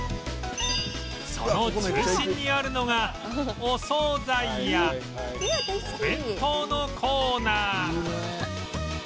その中心にあるのがお惣菜やお弁当のコーナー